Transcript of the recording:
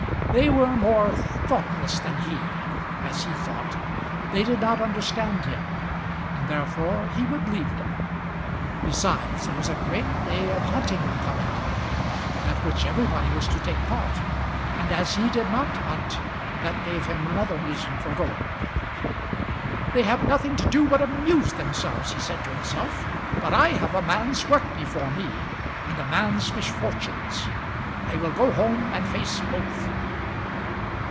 They were more thoughtless than he as he thought; they did not understand him, and therefore he would leave them. Besides, there was a great day of hunting coming on, at which everybody was to take a part, and as he did not hunt that gave him another reason for going. "They have nothing to do but amuse themselves," he said to himself; "but I have a man's work before me, and a man's misfortunes. I will go home and face both."